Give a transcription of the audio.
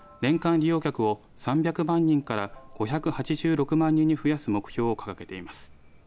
利用客を３００万人から５８６万人に増やす目標を掲げています。